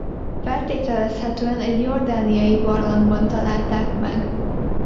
Feltételezhetően egy jordániai barlangban találták meg.